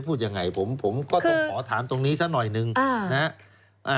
พูดยังไงผมผมก็ต้องขอถามตรงนี้ซะหน่อยหนึ่งนะฮะ